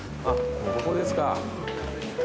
あっここですか。